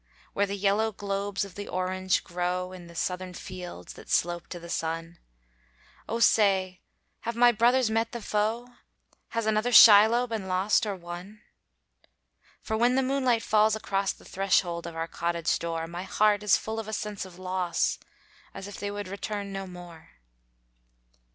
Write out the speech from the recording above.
Where the yellow globes of the orange grow In the southern fields that slope to the sun, Oh say, have my brothers met the foe, Has another Shiloh been lost or won? For when the moonlight falls across The threshold of our cottage door. My heart is full of a sense of loss, As if they would return no more.